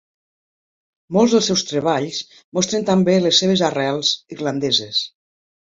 Molts dels seus treballs mostren també les seves arrels irlandeses.